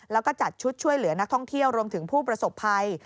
แล้วก็จัดชุดช่วยเหลือนักท่องเที่ยวรวมถึงผู้ประสบภัย